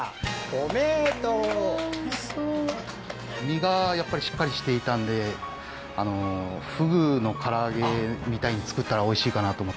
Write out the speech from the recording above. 身がやっぱりしっかりしていたんでフグの唐揚げみたいに作ったらおいしいかなと思って。